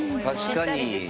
確かに。